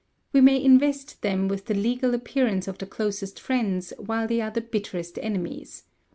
We may invest them with the legal appearance of the closest friends while they are the bitterest enemies.